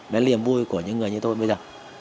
đến niềm vui của những người như tôi bây giờ